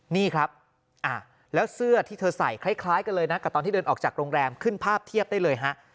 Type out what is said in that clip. นี่ครับแล้วเสื้อที่เธอใส่คล้ายกันเลยนะกับตอนที่เดินออกจากโรงแรมขึ้นภาพเทียบได้เลยฮะ